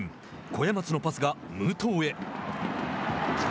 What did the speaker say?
小屋松のパスが武藤へ。